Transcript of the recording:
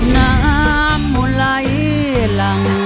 น้ำหลายหลั่ง